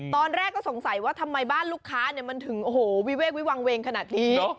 ตอนแรกก็สงสัยว่าทำไมบ้านลูกค้ามันถึงโอ้โหวิเวกวิวังเวงขนาดนี้